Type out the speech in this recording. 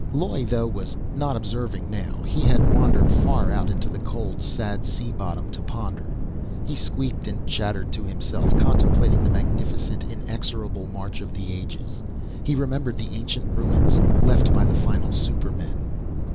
Loy, though, was not observing, now. He had wandered far out into cold, sad sea bottom, to ponder. He squeaked and chatted to himself, contemplating the magnificent, inexorable march of the ages. He remembered the ancient ruins, left by the final supermen.